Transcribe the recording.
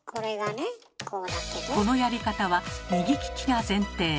このやり方は右利きが前提。